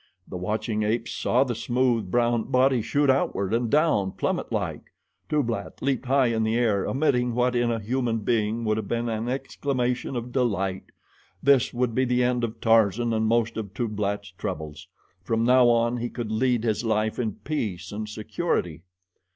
The watching apes saw the smooth, brown body shoot outward, and down, plummet like. Tublat leaped high in the air, emitting what in a human being would have been an exclamation of delight. This would be the end of Tarzan and most of Tublat's troubles. From now on he could lead his life in peace and security.